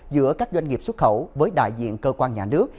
giữa các doanh nghiệp xuất khẩu với đại diện cơ quan nhà nước